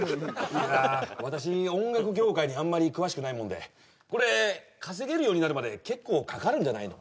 いや私音楽業界にあんまり詳しくないもんでこれ稼げるようになるまで結構かかるんじゃないの？